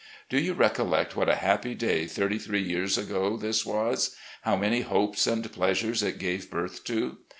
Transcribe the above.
Do you recollect what a happy day thirty three years ago this was ? How many hopes and pleasures it gave birth to